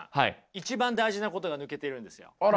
一番大事なことが抜けているんですよ。